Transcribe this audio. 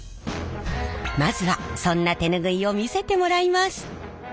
まずはそんな手ぬぐいを見せてもらいます。